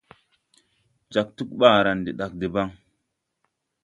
Jāg tug baara de dag deban.